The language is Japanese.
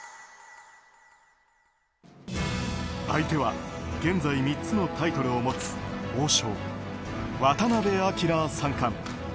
相手は現在３つのタイトルを持つ王将・渡辺明三冠。